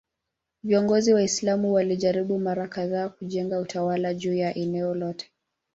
Viongozi Waislamu walijaribu mara kadhaa kujenga utawala juu ya eneo lote.